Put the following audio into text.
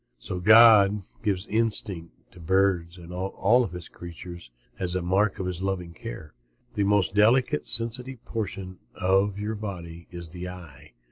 So God gives instinct to birds and all his creatures as a mark of his loving care. The most delicate, sensitive portion of your body is the eye.